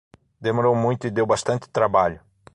Demorou muito e deu bastante trabalho.